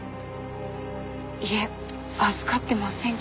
いえ預かってませんけど。